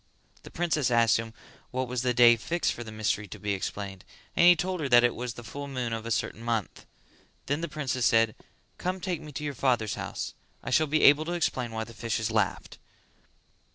The princess asked him what was the day fixed for the mystery to be explained; and he told her that it was at the full moon of a certain month. Then the princess said "Come take me to your father's house: I shall be able to explain why the fishes laughed."